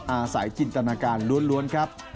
อาศัยจินตนาการล้วนครับ